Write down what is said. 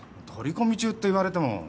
取り込み中って言われても。